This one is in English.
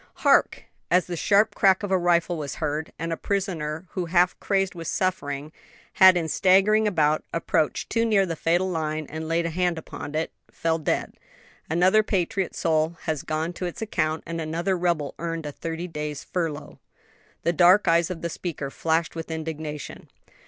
"Hark!" as the sharp crack of a rifle was heard, and a prisoner who, half crazed with suffering, had, in staggering about, approached too near the fatal line and laid a hand upon it, fell dead "another patriot soul has gone to its account, and another rebel earned a thirty days' furlough." The dark eyes of the speaker flashed with indignation.